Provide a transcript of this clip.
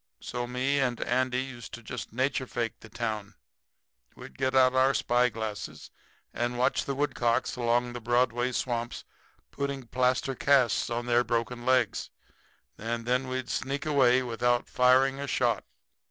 So me and Andy used to just nature fake the town. We'd get out our spyglasses and watch the woodcocks along the Broadway swamps putting plaster casts on their broken legs, and then we'd sneak away without firing a shot.